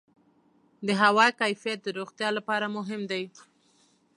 د هوا کیفیت د روغتیا لپاره مهم دی.